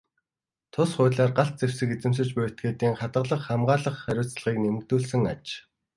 Тус хуулиар галт зэвсэг эзэмшиж буй этгээдийн хадгалах, хамгаалах хариуцлагыг нэмэгдүүлсэн аж.